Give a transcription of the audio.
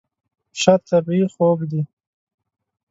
شات طبیعي خوږ دی.